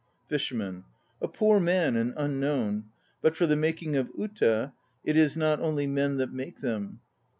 FISHERMAN. A poor man and unknown. But as for the making of "uta," it is not only men that make them.